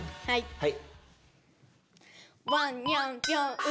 はい。